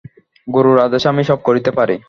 গুরুর আদেশে আমি সব করিতে পারি।